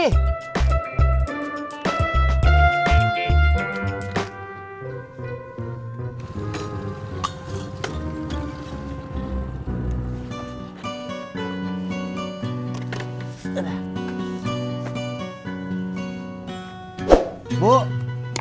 eh jangan bawa dimari